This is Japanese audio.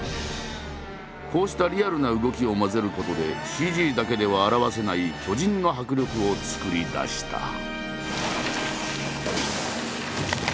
こうしたリアルな動きを混ぜることでＣＧだけでは表せない巨人の迫力を作り出した。